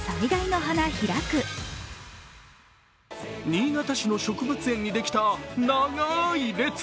新潟市の植物園にできた長い列。